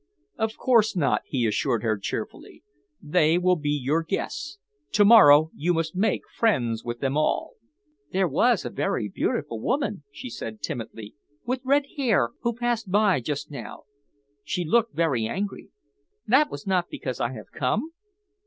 "Of course not," he assured her cheerfully. "They will be your guests. To morrow you must make friends with them all." "There was a very beautiful woman," she said timidly, "with red hair, who passed by just now. She looked very angry. That was not because I have come?"